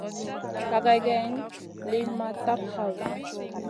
Laga geyn liyn ma tap hayna.